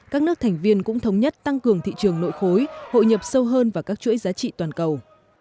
các nước thành viên cũng thống nhất tăng cường thị trường nội khối hội nhập sâu hơn vào các chuỗi giá trị toàn cầu